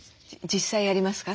実際ありますか？